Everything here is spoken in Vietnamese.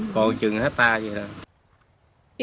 còn chừng hectare vậy thôi